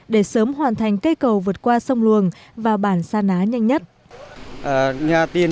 để sớm hoàn thành cây cầu vượt qua sông luồng và bản sa ná nhanh nhất